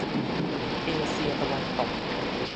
เอเชียตะวันตก